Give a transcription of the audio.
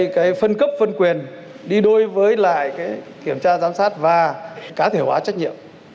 cái phân cấp phân quyền đi đôi với lại cái kiểm tra giám sát và cá thể hóa trách nhiệm